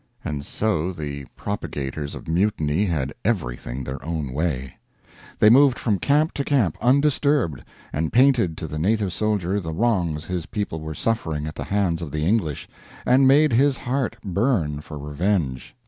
And so the propagators of mutiny had everything their own way. They moved from camp to camp undisturbed, and painted to the native soldier the wrongs his people were suffering at the hands of the English, and made his heart burn for revenge.